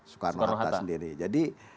soekarno hatta sendiri jadi